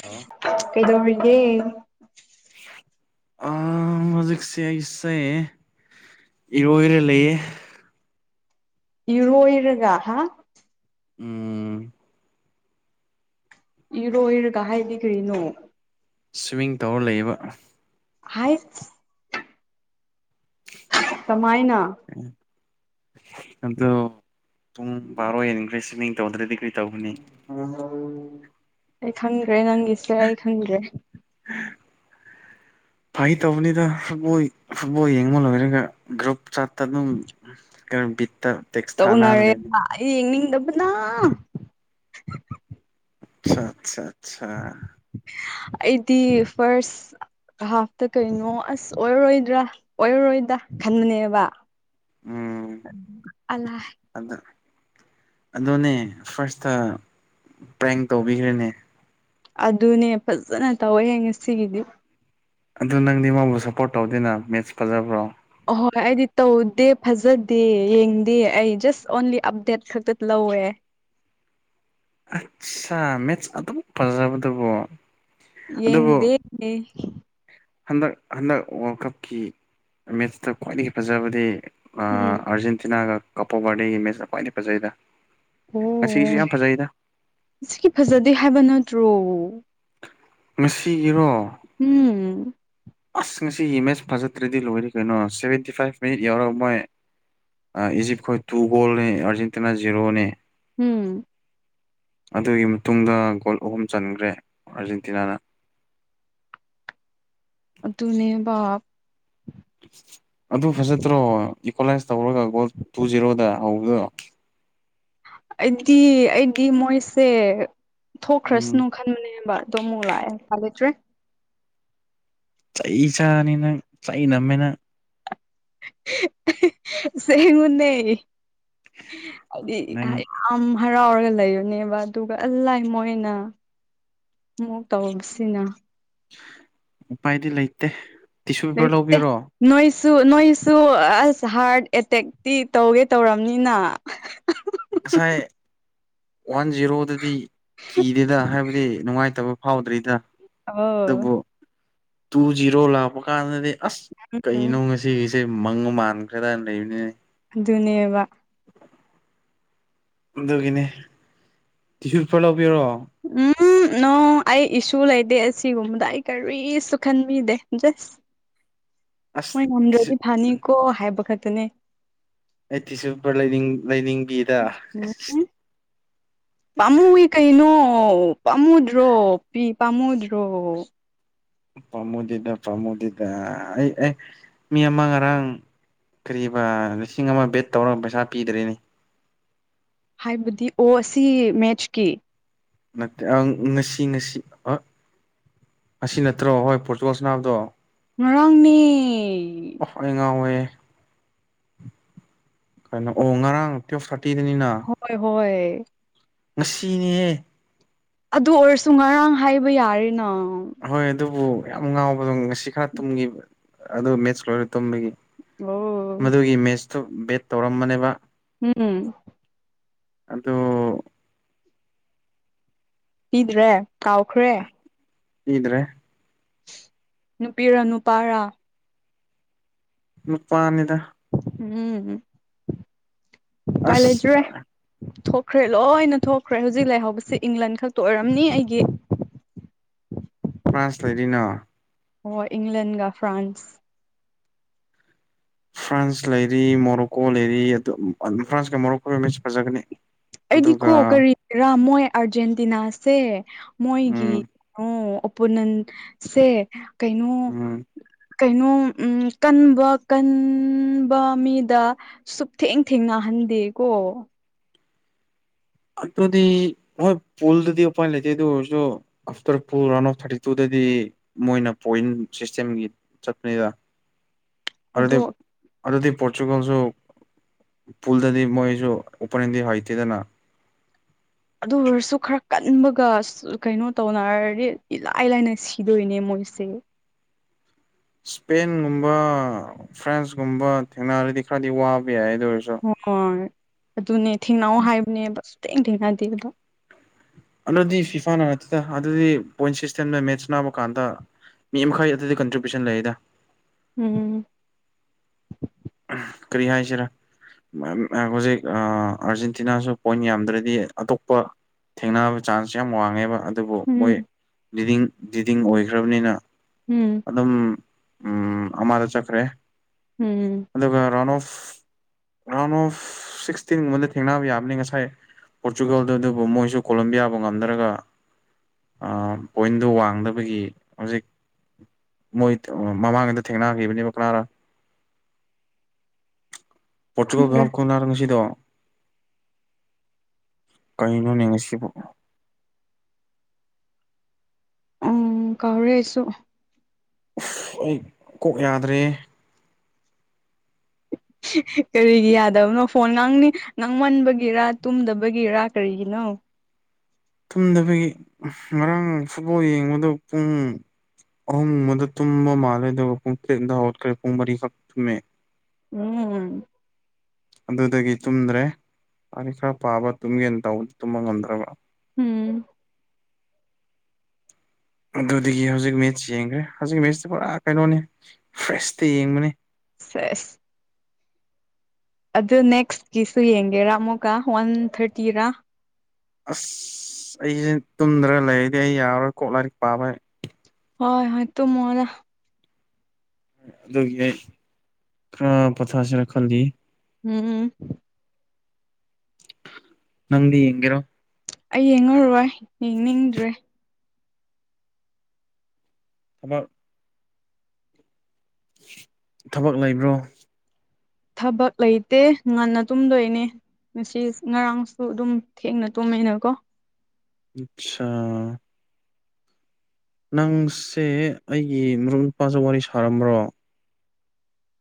Hello ꯀꯩꯗꯧꯔꯤꯒꯦ ꯑꯥ ꯍꯧꯖꯤꯛ ꯁꯦ ꯑꯩꯁꯦ ꯏꯔꯣꯏꯔ ꯂꯩꯌꯦ ꯏ ꯑꯣꯏꯔꯒ ꯍꯥ ꯎꯝ ꯏꯔꯣ ꯏꯔꯒ ꯍꯥꯏꯗꯤ ꯀꯔꯤꯅꯣ ꯁ꯭ꯋꯤꯝꯃꯤꯡ ꯇꯧꯔ ꯂꯩꯕ ꯍꯥꯏꯠ ꯀꯃꯥꯏꯅ ꯑꯣ ꯄꯨꯡ ꯕꯥꯔꯣ ꯌꯦꯅꯤꯡꯈꯔꯤ ꯁꯃꯤ ꯇꯧꯗ꯭ꯔ ꯗꯤ ꯑꯩ ꯈꯪꯗ꯭ꯔꯦ ꯅꯪꯒꯤꯁꯦ ꯑꯩ ꯈꯪꯗ꯭ꯔꯦ ꯐꯩ ꯇꯧꯕꯅꯤꯗ ꯐꯨꯠꯕꯣꯜ ꯐꯨꯠꯕꯣꯜ ꯌꯦꯡꯕ ꯂꯣꯏꯔꯒ ꯒ꯭ꯔꯨꯞ ꯆꯠꯇ ꯑꯗꯨꯝ ꯀꯕꯤꯠ ꯇꯧꯅꯔꯦ ꯌꯦꯡꯅꯤꯡꯗꯕꯅ ꯑꯆꯥ ꯑꯆꯥ ꯑꯆꯥ ꯑꯩꯗꯤ ꯐꯔꯁ ꯍꯥꯞꯇ ꯀꯩꯅꯣ ꯑꯁ ꯑꯣꯏꯔꯔꯣꯏꯗ꯭ꯔꯥ ꯑꯣꯏꯔꯔꯣꯏꯗ ꯈꯟꯕꯅꯦꯕ ꯎꯝ [unintelligible] ꯑꯗ ꯑꯗꯨꯅꯦ ꯐꯥꯔꯁꯇ ꯄ꯭ꯔꯦꯡ ꯇꯧꯕꯤꯈ꯭ꯔꯦꯅꯦ ꯑꯗꯨꯅꯦ ꯐꯖꯅ ꯇꯧꯋꯦ ꯉꯁꯤꯒꯤꯗꯤ ꯑꯗꯨ ꯅꯪꯗꯤ ꯃꯥꯕꯨ ꯁꯞꯄꯣꯔꯠ ꯇꯧꯗꯦꯅ ꯃꯦꯠꯁ ꯐꯖꯕ꯭ꯔꯣ ꯑꯍꯣꯏ ꯑꯩꯗꯤ ꯇꯧꯗꯦ ꯐꯖꯗꯦ ꯌꯦꯡꯗꯦ ꯑꯩ ꯖꯁ ꯑꯣꯟꯂꯤ ꯑꯞꯗꯦꯠ ꯈꯛꯇ ꯂꯧꯋꯦ [inaudible] ꯑꯠꯁꯥ ꯃꯦꯠꯁ ꯑꯗꯨꯝ ꯐꯖꯕꯗꯨꯕꯣ ꯌꯦꯡꯗꯦꯅꯦ ꯍꯟꯗꯛ ꯍꯟꯗꯛ ꯋꯥꯔꯜ ꯀꯞꯀꯤ ꯃꯦꯠꯁꯇ ꯈ꯭ꯋꯥꯏꯗꯒꯤ ꯐꯖꯕꯗꯤ ꯑꯥ ꯎꯝ ꯑꯥꯔꯖꯦꯟꯇꯤꯅꯥꯒ ꯀꯄꯣ ꯕꯔꯗꯦꯒꯤ ꯃꯦꯠꯆꯅ ꯈ꯭ꯋꯥꯏꯗꯒꯤ ꯐꯖꯩꯗ ꯑꯣ ꯉꯁꯤꯒꯤꯁꯨ ꯌꯥꯝ ꯐꯖꯩꯗ ꯁꯤꯒꯤ ꯐꯖꯗꯦ ꯍꯥꯏꯕ ꯅꯠꯇ꯭ꯔꯣ ꯃꯦꯁꯤ ꯎꯝ ꯑꯁ ꯉꯁꯤꯒꯤ ꯃꯦꯠꯆ ꯐꯖꯗ꯭ꯔꯗꯤ ꯂꯣꯏꯔꯦ ꯀꯩꯅꯣ ꯁꯦꯚꯦꯟꯇꯤ ꯐꯥꯏꯚ ꯃꯤꯅꯤꯠ ꯌꯥꯎꯔꯒ ꯃꯣꯏ ꯏꯖꯤꯞꯈꯣꯏ ꯇꯨ ꯒꯣꯜꯅꯤ ꯑꯥꯔꯖꯦꯟꯇꯤꯅꯥ ꯖꯤꯔꯣꯅꯦ ꯎꯝ ꯑꯗꯨꯒꯤ ꯃꯇꯨꯡꯗ ꯒꯣꯜ ꯑꯍꯨꯝ ꯆꯟꯈ꯭ꯔꯦ ꯑꯥꯔꯖꯦꯟꯇꯤꯅꯥꯅ ꯑꯗꯨ ꯑꯗꯨꯅꯦꯕꯥ ꯑꯗꯨ ꯐꯖꯠꯇ꯭ꯔꯣ ꯏꯀ꯭ꯋꯥꯂꯥꯏꯁ ꯇꯧꯔꯒ ꯒꯣꯜ ꯇꯨ ꯖꯤꯔꯣꯗ ꯍꯥꯎꯗ ꯑꯩꯗꯤ ꯑꯩꯗꯤ ꯃꯣꯏꯁꯦ ꯎꯝ ꯊꯣꯛꯈ꯭ꯔꯁꯅꯨ ꯈꯟꯕꯅꯦꯕ ꯑꯗꯣ ꯑꯃꯨꯛ ꯂꯥꯛꯑꯦ ꯎꯄꯥꯏ ꯂꯩꯇ꯭ꯔꯦ ꯆꯩ ꯆꯥꯅꯤ ꯅꯪ ꯆꯩ ꯅꯝꯃꯦ ꯅꯪ ꯑꯁꯦꯡꯕꯅꯦ ꯑꯩꯗꯤ ꯅꯪ ꯍꯥꯏ ꯑꯝ ꯍꯔꯥꯎꯔꯒ ꯂꯩꯔꯨꯅꯦꯕ ꯑꯗꯨꯒ ꯑꯜ ꯂꯥꯏ ꯃꯣꯏꯅ ꯃꯨꯛ ꯇꯧꯕꯁꯤꯅ ꯎꯄꯥꯏꯗꯤ ꯂꯩꯇꯦ ꯇꯤꯁꯨ ꯄꯦꯄꯔ ꯂꯩꯇꯦ ꯂꯧꯕꯤꯔꯣ ꯅꯣꯏꯁꯨ ꯅꯣꯏꯁꯨꯨ ꯑꯁ ꯍꯥꯔꯠ ꯑꯦꯇꯦꯛꯇꯤ ꯇꯧꯒꯦ ꯇꯧꯔꯝꯅꯤꯅ ꯉꯁꯥꯏ ꯋꯥꯟ ꯖꯤꯔꯣꯗꯗꯤ ꯀꯤꯗꯦꯗ ꯍꯥꯏꯕꯗꯤ ꯅꯨꯡꯉꯥꯏꯇꯕ ꯐꯥꯎꯗ꯭ꯔꯤꯗ ꯑꯣ ꯑꯗꯨꯕꯨ ꯇꯨ ꯖꯤꯔꯣ ꯂꯥꯛꯄ ꯀꯥꯟꯗꯗꯤ ꯑꯁ ꯎꯝ ꯀꯩꯅꯣ ꯉꯁꯤꯒꯤꯁꯤ ꯃꯪ ꯃꯥꯟꯈ꯭ꯔꯦꯗꯥꯅ ꯂꯩꯕꯅꯦ ꯑꯗꯨꯅꯦꯕ ꯑꯗꯨꯒꯤꯅꯦ ꯁꯨ ꯄꯦꯄꯔ ꯂꯧꯒꯤꯔꯣ ꯎꯝ ꯅꯣ ꯑꯩ ꯏꯁꯨ ꯂꯩꯇꯦ ꯑꯁꯤꯒꯨꯝꯕꯗ ꯑꯩ ꯀꯔꯤꯁꯨ ꯈꯟꯕꯤꯗꯦ ꯖꯁ ꯑꯁ ꯃꯣꯏ ꯇꯤꯁꯨ ꯉꯝꯗ꯭ꯔꯗꯤ ꯐꯅꯤꯀꯣ ꯍꯥꯏꯕ ꯈꯛꯇꯅꯦ ꯑꯩ ꯇꯤꯁꯨꯄꯦꯄꯔ ꯂꯩꯅꯤꯡ ꯂꯩꯅꯤꯡꯕꯤꯗ ꯄꯥꯝꯃꯨꯋꯤ ꯀꯩꯅꯣ ꯑꯣ ꯄꯥꯝꯃꯨꯗ꯭ꯔꯣ ꯄꯤ ꯄꯥꯝꯃꯨꯗ꯭ꯔꯣ? ꯄꯥꯝꯃꯨꯗꯦꯗ ꯄꯥꯝꯃꯨꯗꯦꯗ ꯑꯩ ꯑꯥ ꯃꯤ ꯑꯃ ꯉꯔꯥꯡ ꯀꯔꯤꯕ ꯂꯤꯁꯤꯡ ꯑꯃ ꯕꯦꯠ ꯇꯧꯔꯒ ꯄꯩꯁꯥ ꯄꯤꯗꯔ꯭ꯦꯅꯦ ꯍꯥꯏꯕꯗꯤ ꯑꯣ ꯑꯁꯤ ꯃꯦꯠꯆꯀꯤ ꯅꯠꯇꯦ ꯑꯪ ꯉꯁꯤ ꯉꯁꯤ ꯑꯥ ꯉꯁꯤ ꯅꯠꯇ꯭ꯔꯣ ꯍꯣꯏ ꯄꯣꯔꯇꯨꯒꯣꯜ ꯁꯅꯕꯗꯣ ꯉꯔꯥꯡꯅꯦ ꯑꯣ ꯑꯩ ꯉꯥꯎꯋꯦ ꯀꯩꯅꯣ ꯑꯣ ꯉꯔꯥꯡ ꯇꯨꯋꯦꯜꯐ ꯊꯥꯔ ꯍꯣꯏ ꯍꯣꯏ ꯉꯁꯤꯅꯦꯍꯦ ꯑꯗꯨ ꯑꯣꯏꯔꯁꯨ ꯉꯔꯥꯡ ꯍꯥꯏꯕ ꯌꯥꯔꯦꯅ ꯍꯣꯏ ꯑꯗꯨꯕꯨ ꯌꯥꯝ ꯉꯥꯎꯕꯗꯣ ꯉꯁꯤ ꯈꯔ ꯇꯨꯝꯈꯤꯕ ꯑꯗꯨ ꯃꯦꯠꯁ ꯂꯣꯏꯔ ꯇꯨꯝꯕꯒꯤ ꯑꯣ ꯃꯗꯨꯒꯤ ꯃꯦꯠꯆꯇꯨ ꯕꯦꯠ ꯇꯧꯔꯝꯕꯅꯦꯕ ꯎꯝ ꯑꯗꯣ ꯄꯤꯗ꯭ꯔꯦ ꯀꯥꯎꯈ꯭ꯔꯦ ꯏ꯭ꯗꯔꯦ ꯅꯨꯄꯤꯔꯥ ꯅꯨꯄꯥꯔꯥ ꯅꯨꯄꯥꯅꯤꯗ ꯎꯝ ꯎꯄꯥꯏ ꯂꯩꯇ꯭ꯔꯦ ꯑꯁ ꯊꯣꯛ ꯈ꯭ꯔꯦ ꯂꯣꯏꯅ ꯊꯣꯛꯈ꯭ꯔꯦ ꯍꯧꯖꯤꯛ ꯂꯩꯍꯧꯕꯁꯤ ꯏꯪꯂꯟ ꯈꯛꯇ ꯑꯣꯏꯔꯝꯅꯤ ꯑꯩꯒꯤ ꯐ꯭ꯔꯥꯟꯁ ꯂꯩꯔꯤꯅ ꯑꯣ ꯏꯪ꯭ꯂꯦꯟꯒ ꯐ꯭ꯔꯥꯟꯁ ꯐ꯭ꯔꯥꯟꯁ ꯂꯩꯔꯤ ꯃꯣꯔꯣꯀꯣ ꯂꯩꯔꯤ ꯑꯗꯨ ꯐ꯭ꯔꯥꯟꯁꯀ ꯃꯣꯔꯣꯀꯣꯒ ꯃꯦꯁ ꯐꯖꯒꯅꯤ ꯑꯩꯗꯤꯀꯣ ꯑꯗꯨꯒ ꯀꯔꯤꯔꯥ ꯃꯣꯏ ꯑꯔꯖꯦꯟꯇꯤꯅꯥꯁꯦ ꯃꯣꯏꯒꯤ ꯎꯝ ꯀꯩꯅꯣ ꯄꯨꯅꯟꯁꯦ ꯀꯩꯅꯣ ꯎꯝ ꯀꯩꯅꯣ ꯎꯝ ꯀꯟꯕ ꯀꯟꯕ ꯃꯤꯗ ꯁꯨꯞꯊꯦꯡ ꯊꯦꯡꯅꯍꯟ ꯗꯦꯀꯣ ꯑꯗꯨꯗꯤ ꯍꯣꯏ ꯄꯨꯜꯗꯗꯤ ꯎꯄꯥꯏ ꯂꯩꯇꯦ ꯑꯗꯨ ꯑꯣꯏꯔꯁꯨ ꯑꯐꯠꯔ ꯄꯨꯜ ꯔꯥꯎꯟ ꯑꯣꯐ ꯊꯠꯇꯤꯇꯨ ꯍꯥꯏꯗꯤ ꯃꯣꯏꯅ ꯄꯣꯏꯟ ꯁꯤꯁꯇꯦꯝꯒꯤ ꯆꯠꯄꯅꯤꯗ ꯑꯗꯨꯗꯤ ꯑꯗꯣ ꯑꯗꯨꯗꯤ ꯄꯣꯔꯆꯨꯒꯜꯁꯨ ꯄꯨꯜꯗꯗꯤ ꯃꯣꯏꯁꯨ ꯑꯣꯄꯣꯅꯦꯟꯗꯤ ꯍꯩꯇꯦꯗꯅ ꯑꯗꯨ ꯑꯣꯏꯔꯁꯨ ꯈꯔ ꯀꯟꯕꯒ ꯀꯩꯅꯣ ꯇꯧꯅꯔꯗꯤ ꯏꯂꯥꯏ ꯂꯥꯏꯅ ꯁꯤꯗꯣꯏꯅꯦ ꯃꯣꯏ ꯃꯣꯏꯁꯦ ꯏꯁꯄꯦꯟꯒꯨꯝꯕ ꯐ꯭ꯔꯥꯟꯁꯀꯨꯝꯕ ꯊꯦꯡꯅꯔꯗꯤ ꯈꯔꯗꯤ ꯋꯥꯕ ꯌꯥꯏ ꯑꯗꯨ ꯑꯣꯏꯔꯁꯨ ꯍꯣꯏ ꯑꯗꯨꯅꯦ ꯊꯦꯡꯅꯧ ꯍꯥꯏꯕꯅꯦꯕ ꯁꯨꯛꯊꯦꯡ ꯊꯦꯡꯅꯗꯦꯕ ꯑꯗꯨꯗꯤ ꯐꯤꯐꯥꯅ ꯅꯠꯇꯦꯗ ꯑꯗꯨꯗꯤ ꯄꯣꯏꯟ ꯁꯤꯁꯇꯦꯝꯗ ꯃꯦꯠꯁ ꯁꯅꯕ ꯀꯥꯟꯗ ꯃꯤ ꯃꯈꯩ ꯑꯗꯨꯗꯤ ꯀꯟꯇ꯭ꯔꯤꯕ꯭ꯌꯨꯁꯟ ꯂꯩꯗ ꯎꯝ ꯀꯔꯤ ꯍꯥꯏꯁꯤꯔ ꯑꯥ ꯍꯧꯖꯤꯛ ꯑꯥꯔꯖꯦꯟꯇꯤꯅꯥꯁꯨ ꯄꯣꯏꯟ ꯌꯥꯝꯗ꯭ꯔꯗꯤ ꯑꯇꯣꯞꯄ ꯊꯦꯡꯅꯕ ꯆꯥꯟꯁ ꯌꯥꯝ ꯋꯥꯡꯉꯦꯕ ꯑꯗꯨꯕꯨ ꯎꯝ ꯃꯣꯏ ꯗꯤꯗꯤꯡ ꯗꯤꯗꯤꯡ ꯑꯣꯏꯈ꯭ꯔꯕꯅꯤꯅ ꯎꯝ ꯑꯗꯨꯝ ꯎꯝ ꯑꯃꯥꯗ ꯆꯠꯈ꯭ꯔꯦ ꯎꯝ ꯑꯗꯨꯒ ꯔꯅ ꯑꯣꯐ [inaudible] ꯔꯥꯎꯟ ꯑꯣꯐ ꯁꯤꯛꯁꯇꯤꯟꯒꯨꯝꯕꯗ ꯊꯦꯡꯅꯕ ꯌꯥꯕꯅꯤ ꯉꯁꯥꯏ ꯄꯣꯔꯇꯨꯒꯜꯗꯨ ꯑꯗꯨꯕꯨ ꯃꯣꯏꯁꯨ ꯀꯣꯂꯝꯣꯕꯤꯌꯥꯕꯨ ꯉꯝꯗꯔꯒ ꯑꯥ ꯄꯣꯏꯟꯗꯣ ꯋꯥꯡꯗꯕꯒꯤ ꯍꯧꯖꯤꯛ ꯃꯣꯏ ꯃꯃꯥꯡꯒꯤꯗ ꯊꯦꯡꯅꯈꯤꯕꯅꯦꯕ ꯀꯅꯥꯔ ꯈꯪꯗ꯭ꯔꯦ ꯄꯣꯔꯇꯨꯒꯜ ꯈꯨꯜꯅ ꯉꯁꯤꯗꯣ ꯀꯔꯤꯅꯣꯅꯦ ꯉꯁꯤꯕꯣ ꯎꯝ ꯀꯥꯎꯔꯦ ꯑꯩꯁꯨ ꯑꯩ ꯀꯣꯛ ꯌꯥꯗ꯭ꯔꯦ ꯍꯤꯍꯤ ꯀꯔꯤꯒꯤ ꯌꯥꯗꯕꯅꯣ ꯐꯣꯟ ꯉꯥꯡꯅꯤ ꯉꯥꯡꯃꯟꯕꯒꯤꯔꯥ ꯇꯨꯝꯗꯕꯒꯤꯔꯥ ꯀꯔꯤꯒꯤꯅꯣ ꯍꯣ ꯇꯨꯝꯗꯕꯒꯤ ꯉꯔꯥꯡ ꯐꯨꯠꯕꯣꯜ ꯌꯦꯡꯕꯗꯣ ꯄꯨꯡ ꯑꯍꯨꯝ ꯃꯗ ꯇꯨꯝꯕ ꯃꯥꯜꯂꯦꯗꯣꯄꯨꯡ ꯇꯔꯦꯠ ꯇ ꯍꯧꯠꯈ꯭ꯔꯦ ꯄꯨꯡ ꯃꯔꯤꯈꯛ ꯇꯨꯝꯃꯦ ꯎꯝ ꯑꯗꯨꯗꯒꯤ ꯇꯨꯝꯗ꯭ꯔꯦ ꯂꯥꯏꯔꯤꯛ ꯈꯔ ꯄꯥꯕ ꯇꯨꯝꯒꯦꯅ ꯇꯧꯕ ꯇꯨꯝꯕ ꯉꯝꯗ꯭ꯔꯕ ꯎꯝ ꯑꯗꯨꯗꯒꯤ ꯍꯧꯖꯤꯛ ꯃꯦꯠꯁ ꯌꯦꯡꯈ꯭ꯔꯦ ꯍꯧꯖꯤꯛ ꯃꯦꯠꯁꯇꯤ ꯄꯨꯔꯥ ꯀꯩꯅꯣꯅꯤ ꯐ꯭ꯔꯦꯁꯇ ꯌꯦꯡꯕꯅꯤ ꯁꯦꯁ ꯑꯗꯨ ꯅꯦꯛꯁꯀꯤꯁꯨ ꯌꯦꯡꯒꯦꯔꯥ ꯑꯃꯨꯛꯀ ꯋꯥꯟ ꯊꯥꯔꯇꯤꯔꯥ ꯑꯁ ꯑꯩꯁꯦ ꯇꯨꯝꯗ꯭ꯔ ꯂꯩꯔꯗꯤ ꯑꯩ ꯌꯥꯔꯔꯣꯏ ꯀꯣꯛ ꯂꯥꯏꯔꯤꯛ ꯄꯥꯕ ꯍꯣꯏ ꯍꯣꯏ ꯇꯨꯝ ꯃꯣꯗ ꯑꯗꯨꯒꯤ ꯑꯩ ꯈꯔ ꯄꯣꯊꯁꯤꯔ ꯈꯜꯂꯤ ꯎꯝ ꯎꯝ ꯅꯪꯗꯤ ꯌꯦꯡꯒꯦꯔꯣ ꯑꯩ ꯌꯦꯡꯉꯔꯣꯏ ꯌꯦꯡꯅꯤꯡꯗ꯭ꯔꯦ ꯊꯕꯛ ꯊꯕꯛ ꯂꯩꯕ꯭ꯔꯣ ꯊꯕꯛ ꯂꯩꯇꯦ ꯉꯟꯅ ꯇꯨꯝꯗꯣꯏꯅꯦ ꯉꯁꯤ ꯉꯔꯥꯡꯁꯨ ꯑꯗꯨꯝ ꯊꯦꯡꯅ ꯇꯣꯃꯦꯅꯀꯣ ꯑꯆꯥ ꯅꯪꯁꯦ ꯑꯩꯒꯤ ꯃꯔꯨꯞ ꯅꯨꯄꯥꯁꯨ ꯋꯥꯔꯤ ꯁꯥꯔꯝꯕ꯭ꯔꯣ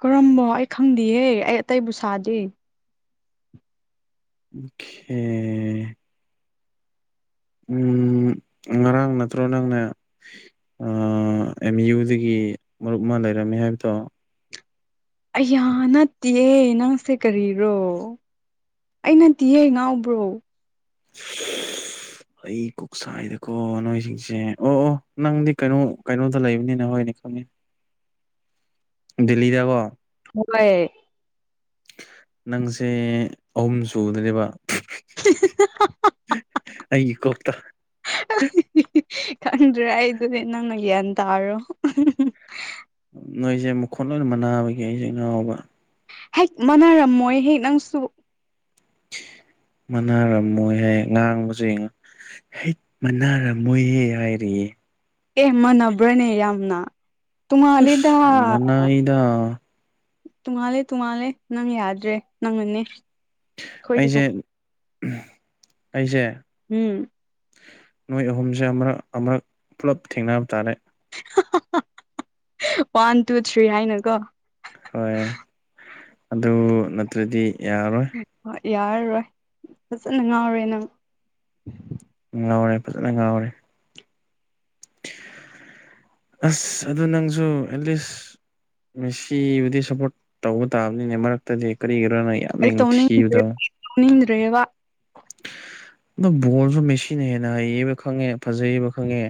ꯀꯔꯝꯕ ꯑꯩ ꯈꯪꯗꯦꯍꯦ ꯑꯩ ꯑꯇꯩꯕꯨ ꯁꯥꯗꯦ ꯑꯣꯈꯦ ꯎꯝ ꯉꯔꯥꯡ ꯅꯠꯇ꯭ꯔꯣ ꯅꯪꯅ ꯑꯥ ꯑꯦꯝ ꯌꯨꯗꯒꯤ ꯃꯔꯨꯞ ꯑꯃ ꯂꯩꯔꯝꯃꯦ ꯍꯥꯏꯕꯗꯣ ꯑꯩꯌꯥ ꯅꯠꯇꯦ ꯅꯪꯁꯦ ꯀꯔꯤꯔꯣ ꯑꯩ ꯅꯠꯇꯤꯌꯦ ꯉꯥꯎꯕ꯭ꯔꯣ ꯑꯩ ꯀꯣꯛꯁꯥꯏꯗꯀꯣ ꯅꯣꯏꯁꯤꯡꯁꯦ ꯑꯣ ꯑꯣ ꯅꯪꯗꯤ ꯀꯩꯅꯣ ꯀꯩꯅꯣꯗ ꯂꯩꯕꯅꯤꯅ ꯍꯣꯏꯅꯦ ꯈꯪꯉꯦ [inaudible] ꯗꯦꯜꯂꯤꯗꯀꯣ ꯍꯣꯏ ꯅꯪꯖꯦ ꯑꯍꯨꯝ ꯁꯨꯕꯗꯅꯦꯕ ꯑꯩꯒꯤ ꯀꯣꯛꯇꯥ ꯈꯪꯗ꯭ꯔꯦ ꯑꯩꯗꯨꯗꯤ ꯅꯪꯅ ꯒ꯭ꯌꯥꯟ ꯇꯥꯔꯣ ꯅꯣꯏꯖꯦ ꯃꯈꯨꯦꯟ ꯂꯣꯏꯅ ꯃꯥꯟꯅꯥꯕꯒꯤ ꯑꯩꯖꯦ ꯉꯥꯎꯕ ꯍꯩꯠ ꯃꯥꯟꯅꯥꯔꯝꯃꯣꯏ ꯍꯦ ꯅꯪꯁꯨ ꯃꯥꯟꯅꯥꯔꯝꯃꯣꯏ ꯌꯦ ꯉꯥꯡꯕꯖꯤꯡ ꯍꯩꯠ ꯃꯥꯟꯅꯥꯔꯝꯃꯣꯏꯍꯦ ꯍꯥꯏꯔꯤꯌꯦ ꯑꯦ ꯃꯥꯟꯅꯕ꯭ꯔꯅꯦ ꯌꯥꯝꯅ ꯑꯁ ꯇꯣꯡꯉꯥꯜꯂꯤꯗꯥ ꯃꯅꯥꯏꯗ ꯇꯣꯡꯉꯥꯜꯂꯦ-ꯇꯣꯡꯉꯥꯜꯂꯦ ꯅꯪ ꯌꯥꯗ꯭ꯔꯦ ꯅꯪꯅꯅꯦ ꯑꯩꯈꯣꯏꯗꯤ ꯑꯩꯖꯦ ꯑꯩꯖꯦ INAUDIBLE ꯅꯣꯏ ꯑꯍꯨꯝꯖꯦ ꯑꯃꯨꯔꯛ-ꯑꯃꯨꯔꯛ ꯄꯨꯂꯞ ꯊꯦꯡꯅꯕ ꯇꯥꯔꯦ ꯋꯥꯟ ꯇꯨ ꯊ꯭ꯔꯤ ꯍꯥꯏꯅꯀꯣ ꯍꯣꯏ ꯑꯗꯨ ꯅꯠꯇ꯭ꯔꯗꯤ ꯌꯥꯔꯔꯣꯏ ꯍꯣꯏ ꯌꯥꯔꯔꯣꯏ ꯐꯖꯅ ꯉꯥꯎꯔꯦ ꯅꯪ ꯉꯥꯎꯔꯦ ꯐꯖꯅ ꯉꯥꯎꯔꯦ INAUDIBLE ꯑꯥꯁ ꯑꯗꯨ ꯅꯪꯖꯨ ꯑꯦꯠꯂꯤꯁ ꯃꯦꯁꯤꯕꯨꯗꯤ ꯁꯞꯄꯣꯔꯠ ꯇꯧꯕ ꯇꯥꯕꯅꯤꯅꯦ ꯃꯔꯛꯇꯗꯤ ꯀꯔꯤ ꯑꯩ ꯇꯧꯅꯤꯡ ꯇꯧꯅꯤꯡꯗ꯭ꯔꯦꯕꯥ ꯑꯗꯨ ꯕꯣꯜꯖꯨ ꯃꯦꯁꯤꯅ ꯍꯦꯟꯅ ꯍꯩꯌꯦꯕ ꯈꯪꯉꯦ ꯐꯖꯩꯕ ꯈꯪꯉꯦ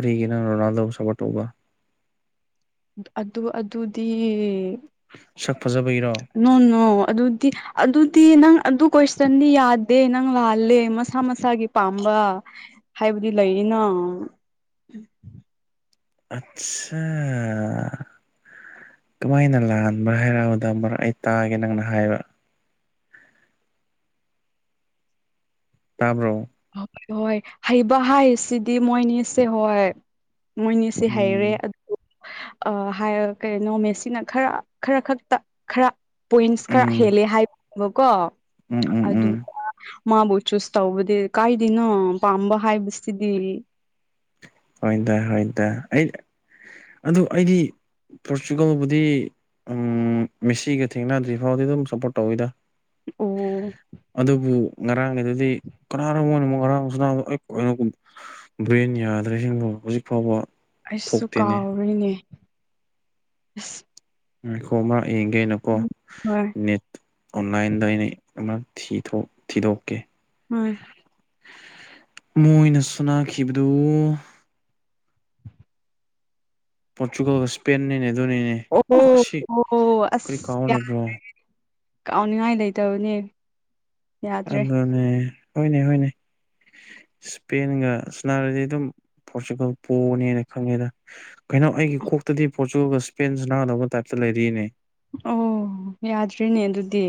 ꯀꯔꯤꯒꯤꯅꯣ ꯔꯣꯅꯥꯜꯗꯣꯕꯨ ꯁꯞꯄꯣꯔꯠ ꯇꯧꯕ ꯑꯗꯨ ꯑꯗꯨꯗꯤ ꯁꯛ ꯐꯖꯕꯒꯤꯔꯣ ꯅꯣ ꯅꯣ ꯑꯗꯨꯗꯤ ꯑꯗꯨꯗꯤ ꯅꯪ ꯑꯗꯨ ꯀꯣꯏꯁꯟꯗꯤ ꯌꯥꯗꯦ ꯅꯪ ꯂꯥꯜꯂꯦ ꯃꯁꯥ ꯃꯁꯥꯒꯤ ꯄꯥꯝꯕ ꯍꯥꯏꯕꯗꯤ ꯂꯩꯌꯦ ꯅꯥ ꯑꯥꯆꯁꯥ ꯀꯝꯃꯥꯏꯅ ꯂꯥꯟꯕ꯭ꯔꯥ ꯍꯥꯏꯔꯛꯕꯗ ꯃꯔꯛ ꯑꯩ ꯇꯥꯒꯦ ꯅꯪꯅ ꯍꯥꯏꯕ ꯇꯥꯕ꯭ꯔꯣ ꯍꯣꯏ ꯍꯣꯏ ꯍꯩꯕ ꯍꯥꯏꯁꯤꯗꯤ ꯃꯣꯏꯅꯤꯁꯦ ꯍꯣꯏ ꯃꯣꯏꯅꯤ ꯁꯤ ꯎꯝ ꯍꯩꯔꯦ ꯑꯗꯨ ꯑꯥ ꯍꯥꯏꯔꯒ ꯀꯩꯅꯣ ꯃꯦꯁꯤꯅ ꯈꯔ ꯈꯔ ꯈꯛꯇ ꯈꯔ ꯄꯣꯏꯟꯁ ꯈꯔ ꯎꯝ ꯍꯦꯜꯂꯦ ꯍꯥꯏꯕꯅꯦꯕꯀꯣ ꯎꯝ ꯎꯝ ꯎꯝ ꯑꯗꯨꯒ ꯃꯥꯕꯨ ꯆꯨꯁ ꯇꯧꯕꯗꯤ ꯀꯥꯏꯗꯅꯣ ꯄꯥꯝꯕ ꯍꯥꯏꯕꯁꯤꯗꯤ ꯍꯣꯏꯗꯥ-ꯍꯣꯏꯗꯥ ꯑꯩ ꯑꯗꯨ ꯑꯩꯗꯤ ꯄꯣꯔꯆꯨꯒꯜꯕꯨꯗꯤ ꯑꯥꯝ ꯃꯦꯁꯤꯒ ꯊꯦꯡꯅꯗ꯭ꯔꯤ ꯐꯥꯎꯗꯤ ꯑꯗꯨꯝ ꯁꯞꯄꯣꯔꯠ ꯇꯧꯋꯤꯗ ꯑꯣ UNINTELLIGIBLE UNINTELLIGIBLE ꯑꯩꯁꯨ ꯀꯥꯎꯔꯤꯅꯦ ꯑꯥꯁ UNINTELLIGIBLE ꯍꯣꯏ ꯑꯃ ꯊꯤꯗꯣꯛ-ꯊꯤꯗꯣꯛꯀꯦ ꯍꯣꯏ ꯃꯣꯏꯅ ꯁꯥꯟꯅꯈꯤꯕꯗꯨ ꯄꯣꯔꯇꯨꯒꯜꯒ ꯏꯁꯄꯦꯟꯅꯦꯅꯦ ꯑꯗꯨꯅꯦꯅꯦ ꯑꯣ ꯑꯁꯤ ꯑꯣ ꯀꯔꯤ ꯑꯁ ꯀꯥꯎ ꯂꯩꯕ꯭ꯔꯣ ꯀꯥꯎꯅꯤꯡꯉꯥꯏ ꯂꯩꯇꯕꯅꯦ ꯌꯥꯗ꯭ꯔꯦ ꯑꯗꯨꯅꯦ ꯍꯣꯏꯅꯦ ꯍꯣꯏꯅꯦ ꯏꯁꯄꯦꯟꯒ ꯁꯥꯅꯔꯗꯤ ꯑꯗꯨꯝ ꯄꯣꯔꯇꯨꯒꯜ ꯄꯣꯅꯦꯅ ꯈꯪꯉꯦꯗ ꯀꯩꯅꯣ ꯑꯩꯒꯤ ꯀꯣꯛꯇꯗꯤ ꯄꯣꯔꯇꯨꯒꯜꯒ ꯏꯁꯄꯦꯟ ꯁꯥꯟꯅꯒꯗꯧꯕ ꯇꯥꯏꯞꯇ ꯂꯩꯔꯤꯌꯦꯅꯦ ꯑꯣ ꯌꯥꯗ꯭ꯔꯦꯅꯦ ꯑꯗꯨꯗꯤ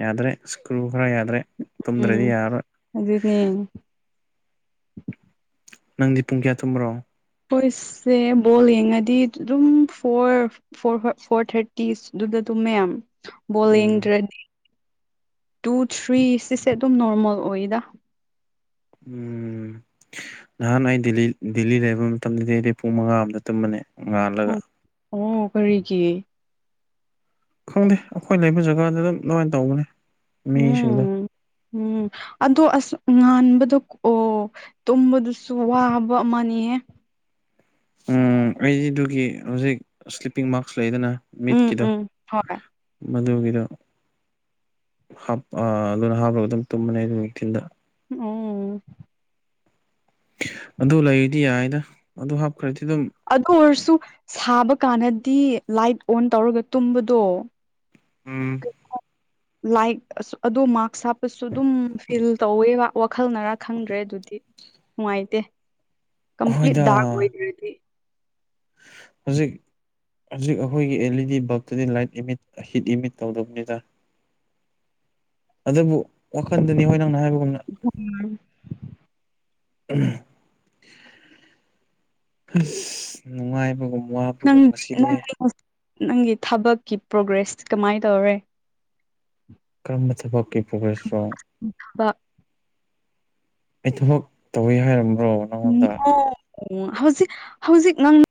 ꯌꯥꯗ꯭ꯔꯦ ꯁꯀ꯭ꯔꯨ ꯈꯔ ꯌꯥꯗ꯭ꯔꯦ ꯇꯨꯝꯗ꯭ꯔꯗꯤ ꯎꯝ ꯌꯥꯔꯔꯣꯏ ꯑꯗꯨꯅꯦ ꯅꯪꯗꯤ ꯄꯨꯡ ꯀꯌꯥ ꯇꯨꯝꯕ꯭ꯔꯣ ꯈꯣꯏꯁꯦ ꯕꯣꯜ ꯌꯦꯡꯉꯗꯤ ꯑꯗꯨꯝ ꯐꯣꯔ [unintelligible] ꯐꯣꯔ ꯊ꯭ꯔꯇꯤꯁ ꯑꯗꯨꯒ ꯇꯨꯝꯃꯦ [unintelligible] ꯕꯣꯜ ꯎꯝ ꯌꯦꯡꯗ꯭ꯔꯗꯤ ꯇꯨ ꯊ꯭ꯔꯤ ꯁꯤꯁꯦ ꯑꯗꯨꯝ ꯅꯣꯔꯃꯦꯜ ꯑꯣꯏꯌꯦꯗ ꯎꯝ ꯅꯍꯥꯟ ꯑꯩ ꯗꯦꯜꯂꯤ ꯗꯦꯜꯂꯤ ꯂꯩꯕ ꯃꯇꯝꯗꯗꯤ ꯑꯩꯗꯤ ꯄꯨꯡ ꯃꯉꯥ [unintelligible] ꯇꯨꯝꯕꯅꯦ ꯉꯥꯜꯂꯒ ꯑꯣ ꯀꯔꯤꯒꯤ ꯈꯪꯗꯦ ꯑꯩꯈꯣꯏ ꯂꯩꯕ ꯖꯒꯥꯗꯣ ꯗꯨꯝ ꯑꯗꯨꯃꯥꯏꯅ ꯇꯧꯕꯅꯦ ꯃꯤꯁꯤꯡꯗꯣ ꯎꯝ ꯎꯝ ꯑꯗꯣ ꯑꯁ ꯉꯥꯟꯕꯗꯣ ꯑꯣ ꯇꯨꯝꯕꯗꯨꯁꯨ ꯋꯥꯕ ꯑꯃꯅꯤꯍꯦ ꯎꯝ ꯑꯩ ꯑꯗꯨꯒꯤ ꯍꯧꯖꯤꯛ ꯁ꯭ꯂꯤꯞꯄꯤꯡ ꯃꯥꯛꯁ ꯂꯩꯗꯅ ꯎꯝ ꯃꯤꯠꯀꯤꯗꯣ ꯎꯝ ꯍꯣꯏ ꯃꯗꯨꯒꯤꯗꯣ ꯍꯥꯞ ꯑ ꯑꯗꯨꯅ ꯍꯥꯞꯂꯒ ꯑꯗꯨꯝ ꯇꯨꯝꯕꯅꯦ ꯑꯗꯨ ꯅꯨꯡꯊꯤꯟꯗ ꯑꯣ ꯑꯗꯨ ꯂꯩꯔꯗꯤ ꯌꯥꯏꯌꯦꯗ ꯑꯗꯨ ꯍꯥꯞ ꯑꯗꯨ ꯑꯣꯏꯔꯁꯨ ꯁꯥꯕ ꯀꯥꯟꯗꯗꯤ ꯂꯥꯏꯠ ꯑꯣꯟ ꯇꯧꯔꯒ ꯇꯨꯝꯕꯗꯣ ꯎꯝ [unintelligible] ꯂꯥꯏꯠ ꯑꯁ ꯑꯗꯣ ꯃꯥꯛꯁ ꯍꯥꯞꯄꯁꯨ ꯑꯗꯨꯝ ꯐꯤꯜ ꯇꯧꯋꯦꯕ ꯋꯥꯈꯜꯅꯔꯥ ꯈꯪꯗ꯭ꯔꯦ ꯑꯗꯨꯗꯤ ꯅꯨꯡꯉꯥꯏꯇꯦ ꯀꯝꯄ꯭ꯂꯤꯠ ꯍꯣꯏꯗ ꯗꯥꯔꯛ ꯑꯣꯢꯗ꯭ꯔꯗꯤ ꯍꯧꯖꯤꯛ ꯍꯧꯖꯤꯛ ꯑꯩꯈꯣꯏꯒꯤ ꯑꯦꯜ ꯏ ꯗꯤ ꯕꯜꯕ ꯇꯨꯗꯤ ꯂꯥꯏꯠ ꯏꯃꯤꯠ ꯍꯤꯠ ꯏꯃꯤꯠ ꯇꯧꯗꯕꯅꯦꯗ ꯑꯗꯨꯕꯨ ꯋꯥꯈꯟꯗꯅꯤ ꯍꯣꯏ ꯅꯪꯅ ꯍꯥꯏꯕꯒꯨꯝꯅ ꯎꯝ ꯑꯝ ꯑꯁ ꯅꯨꯡꯉꯥꯏꯕꯒꯨꯝ ꯅꯪ ꯋꯥꯕꯒꯨꯝ ꯉꯁꯤꯗꯤ ꯅꯪꯒꯤ [inaudible] ꯅꯪꯒꯤ ꯊꯕꯛꯀꯤ ꯄ꯭ꯔꯣꯒ꯭ꯔꯦꯁ ꯀꯃꯥꯏ ꯇꯧꯔꯦ ꯀꯔꯝꯕ ꯊꯕꯛꯀꯤ ꯄ꯭ꯔꯣꯒ꯭ꯔꯦꯁꯔꯣ ꯊꯕꯛ ꯑꯩ ꯊꯕꯛ ꯇꯧꯋꯦ ꯍꯥꯏꯔꯝꯕ꯭ꯔꯣ ꯅꯪꯉꯣꯟꯗ ꯑꯣ ꯍꯧꯖꯤꯛ ꯍꯧꯖꯤꯛ ꯅꯪ